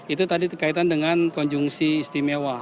itu tadi kaitan dengan konjungsi istimewa